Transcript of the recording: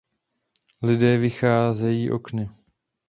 Lidé vcházejí okny.